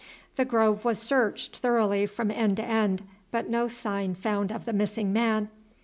The grove was searched thoroughly from end to end, but no sign found of the missing man.